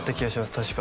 確か。